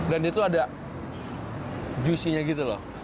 dan itu ada jusinya gitu loh